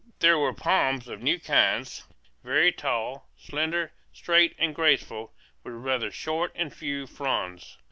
There were palms of new kinds, very tall, slender, straight, and graceful, with rather short and few fronds.